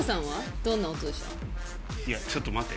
いやちょっと待て。